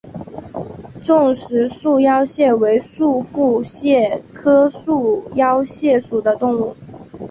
重石束腰蟹为束腹蟹科束腰蟹属的动物。